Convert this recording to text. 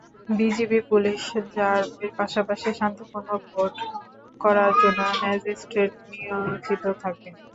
BGB, police, র্যাবের পাশাপাশি শান্তিপূর্ণ ভোট করার জন্য ম্যাজিস্ট্রেট নিয়োজিত থাকবেন।